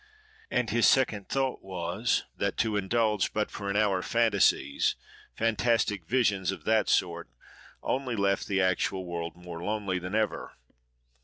And his second thought was, that to indulge but for an hour fantasies, fantastic visions of that sort, only left the actual world more lonely than ever.